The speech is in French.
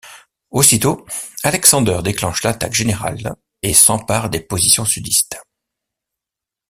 Aussitôt, Alexander déclenche l'attaque générale et s'empare des positions sudistes.